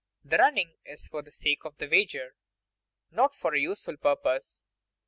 The running is for the sake of the wager, not for a useful purpose.